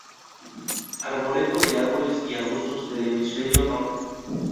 Arboreto de árboles y arbustos del hemisferio norte.